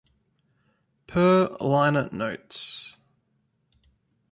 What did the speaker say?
"Per liner notes"